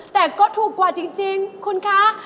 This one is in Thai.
แต่ก็ถูกกว่าจริงคุณคะ